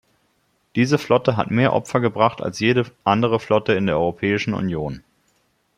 Diese Flotte hat mehr Opfer gebracht als jede andere Flotte in der Europäischen Union.